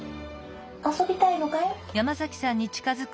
遊びたいのかい？